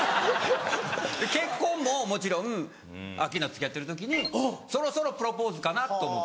結婚ももちろんアッキーナと付き合ってる時にそろそろプロポーズかなと思って。